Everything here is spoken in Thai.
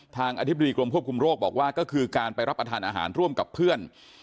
อธิบดีกรมควบคุมโรคบอกว่าก็คือการไปรับประทานอาหารร่วมกับเพื่อน